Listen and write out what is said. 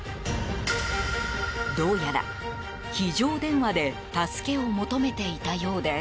どうやら非常電話で助けを求めていたようです。